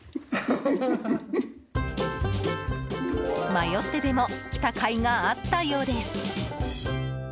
迷ってでも来たかいがあったようです。